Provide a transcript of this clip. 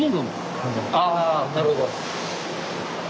ああなるほど。